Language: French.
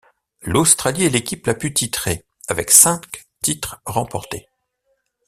L'Australie est l'équipe la plus titrée avec cinq titres remportés.